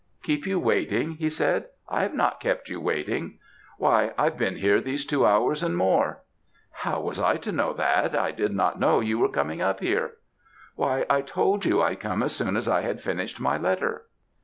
"'Keep you waiting!' he said; 'I have not kept you waiting.' "'Why, I've been here these two hours and more.' "'How was I to know that; I did not know you were coming up here.' "'Why, I told you I'd come as soon as I had finished my letter.'